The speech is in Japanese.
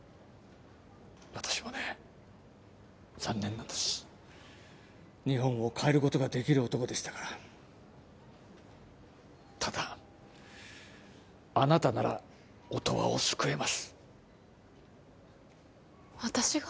私もね残念なんです日本を変えることができる男でしたからただあなたなら音羽を救えます私が？